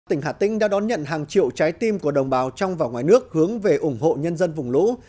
tỉnh hà tĩnh đã đón nhận hàng triệu trái tim của đồng bào trong và ngoài nước hướng về ủng hộ nhân dân vùng lũ